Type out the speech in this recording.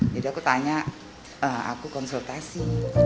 jadi aku tanya aku konsultasi